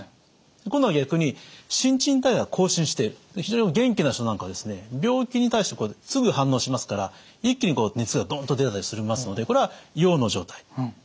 今度は逆に新陳代謝が高進している非常に元気な人なんかは病気に対してすぐ反応しますから一気に熱がどんと出たりしますのでこれは陽の状態。